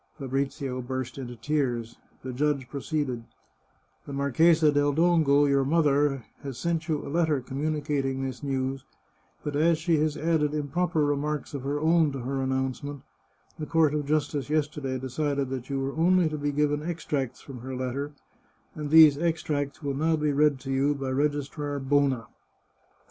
Fabrizio burst into tears. The judge proceeded :" The Marchesa del Dongo, your mother, has sent you a letter communicating this news, but as she has added improper remarks of her own to her announcement, the 376 The Chartreuse of Parma court of justice yesterday decided that you were only to be given extracts from her letter, and these extracts will now be read to you by Registrar Bona."